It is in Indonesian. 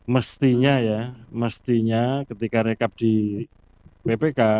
mestinya ketika rekap di ppk